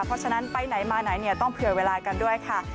เพราะฉะนั้นไปไหนมาไหนเนี่ยต้องเผื่อเวลากันด้วยค่ะ